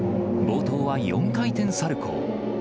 冒頭は４回転サルコー。